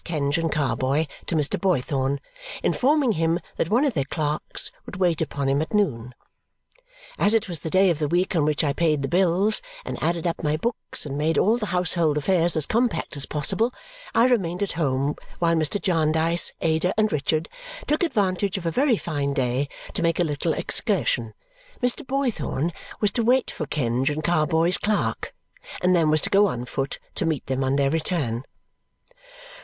Kenge and Carboy to Mr. Boythorn informing him that one of their clerks would wait upon him at noon. As it was the day of the week on which I paid the bills, and added up my books, and made all the household affairs as compact as possible, I remained at home while Mr. Jarndyce, Ada, and Richard took advantage of a very fine day to make a little excursion, Mr. Boythorn was to wait for Kenge and Carboy's clerk and then was to go on foot to meet them on their return.